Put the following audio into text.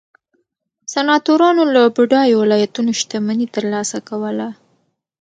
سناتورانو له بډایو ولایتونو شتمني ترلاسه کوله